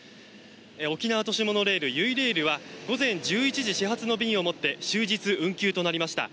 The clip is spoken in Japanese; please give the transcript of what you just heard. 沖縄都市モノレールゆいレールは午前１１時始発の便をもって終日運休となりました。